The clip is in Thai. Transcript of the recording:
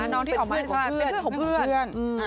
น้องที่ออกมาเป็นเพื่อน